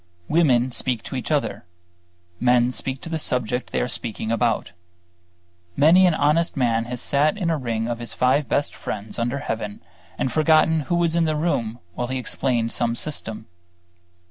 Women speak to each other; men speak to the subject they are speaking about. Many an honest man has sat in a ring of his five best friends under heaven and forgotten who was in the room while he explained some system.